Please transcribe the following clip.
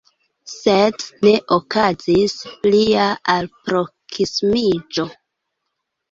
Sed ne okazis plia alproksimiĝo.